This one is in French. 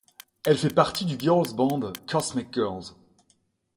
Elle fait partie du girls band Cosmic Girls.